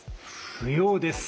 不要です。